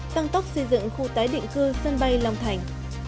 tăng tốc xây dựng khu tái định cư sân bay long thành